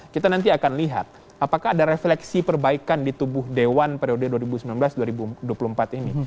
kita nanti akan lihat apakah ada refleksi perbaikan di tubuh dewan periode dua ribu sembilan belas dua ribu dua puluh empat ini